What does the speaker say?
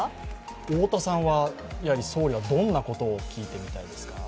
太田さんは、総理にはどんなことを聞いてみたいですか。